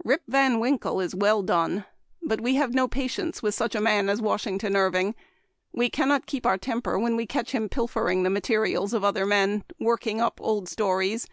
" Rip Van Winkle is well done ; but we have no patience with such a man as Washington Irving. We cannot keep our temper when we catch him pilfering the materials of other men — working up old stories.